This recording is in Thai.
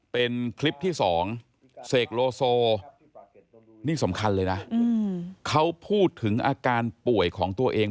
เป็นคลิปที่สองเสกโลโซนี่สำคัญเลยนะเขาพูดถึงอาการป่วยของตัวเอง